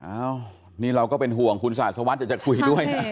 อ้าวนี่เราก็เป็นห่วงคุณศาสวัสดิอยากจะคุยด้วยนะ